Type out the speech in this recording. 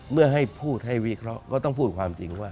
เมื่อให้พูดให้วิเคราะห์ก็ต้องพูดความจริงว่า